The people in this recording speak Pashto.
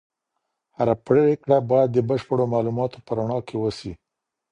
هره پریکړه باید د بشپړو معلوماتو په رڼا کي وسي.